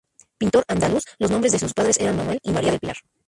Pintor andaluz los nombres de sus padres era Manuel y María del Pilar.